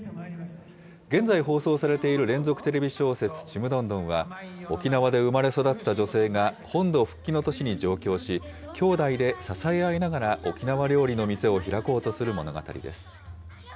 現在放送されている連続テレビ小説、ちむどんどんは、沖縄で生まれ育った女性が本土復帰の年に上京し、きょうだいで支え合いながら、沖縄料理の店を開こうとする物語です。